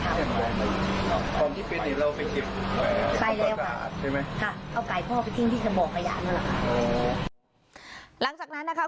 ค่ะเอาไก่พ่อไปทิ้งที่เธอบอกกระยะนั่นแหละค่ะเออหลังจากนั้นนะคะ